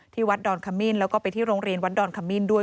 วัดดอนขมิ้นแล้วก็ไปที่โรงเรียนวัดดอนขมิ้นด้วย